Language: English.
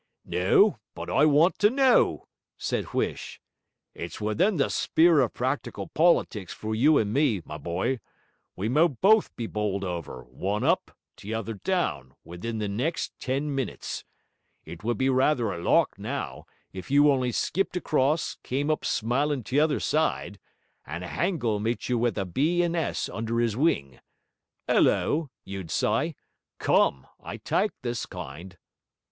'No, but I want to know,' said Huish. 'It's within the sp'ere of practical politics for you and me, my boy; we may both be bowled over, one up, t'other down, within the next ten minutes. It would be rather a lark, now, if you only skipped across, came up smilin' t'other side, and a hangel met you with a B. and S. under his wing. 'Ullo, you'd s'y: come, I tyke this kind.'